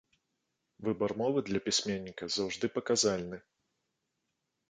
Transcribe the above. Выбар мовы для пісьменніка заўжды паказальны.